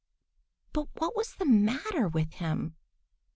But what was the matter with him?